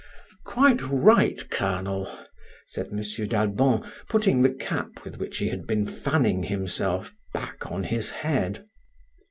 "Quite right, Colonel," said M. d'Albon, putting the cap with which he had been fanning himself back on his head.